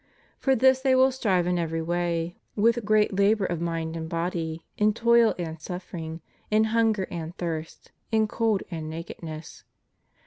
For this they will strive in every way, with great labor of mind and body, in toil and suffering, in hunger and thirst, in cold and nakedness."